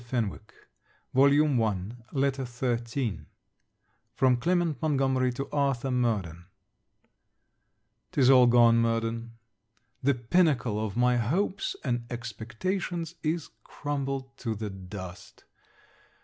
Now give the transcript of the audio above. SIBELLA VALMONT LETTER XIII FROM CLEMENT MONTGOMERY TO ARTHUR MURDEN 'Tis all gone, Murden. The pinnacle of my hopes and expectations is crumbled to the dust.